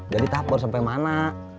jadi tahap baru sampai mana